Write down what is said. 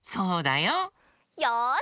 よし！